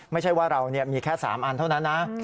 ไม่ใช่ว่าเรามีแค่๓อันเท่านั้นนะ